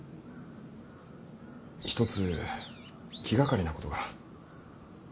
一つ気がかりなことが。